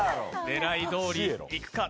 狙いどおりいくか。